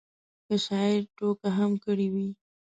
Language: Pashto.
که شاعر ټوکه هم کړې وي.